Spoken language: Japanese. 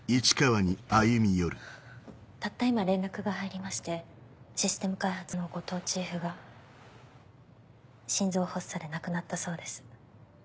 たった今連絡が入りましてシステム開発の後藤チーフが心臓発作で亡くなったそうです。